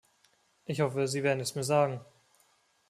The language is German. Ich hoffe, Sie werden es mir sagen.